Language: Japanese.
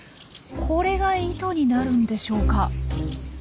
これが糸になるんでしょうか？